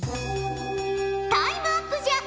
タイムアップじゃ。